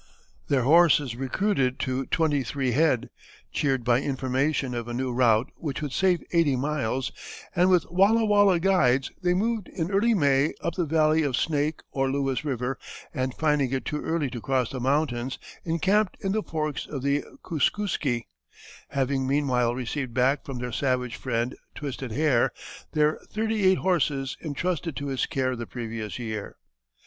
Their horses recruited to twenty three head, cheered by information of a new route which would save eighty miles, and with Wallawalla guides, they moved in early May up the valley of Snake or Lewis River, and finding it too early to cross the mountains, encamped in the forks of the Kooskoosky, having meanwhile received back from their savage friend Twisted hair their thirty eight horses intrusted to his care the previous year.